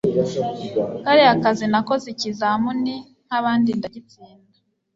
kariya kazi nakoze ikizamuni nkabandi ndagitsinda